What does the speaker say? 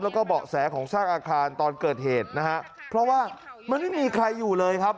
แล้วก็เบาะแสของซากอาคารตอนเกิดเหตุนะฮะเพราะว่ามันไม่มีใครอยู่เลยครับ